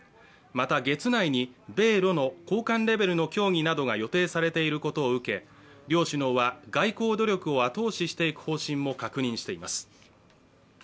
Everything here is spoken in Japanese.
また、月内に米ロの高官レベルの協議などが予定されていることを受け、両首脳は外交努力を後押ししていく努力も確認しています。